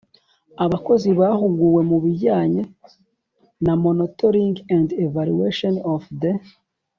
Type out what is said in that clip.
Abakozi bahuguwe mu bijyanye na monitoring and evaluation of the